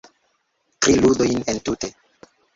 Tri ludojn entute